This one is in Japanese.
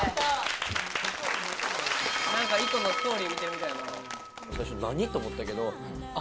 なんか一個のストーリー見てるみたいな。